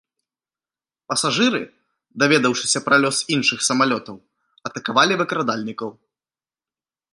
Пасажыры, даведаўшыся пра лёс іншых самалётаў, атакавалі выкрадальнікаў.